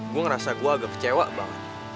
gue ngerasa gue agak kecewa banget